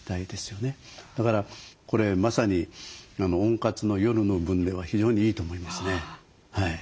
だからこれまさに温活の夜の分では非常にいいと思いますね。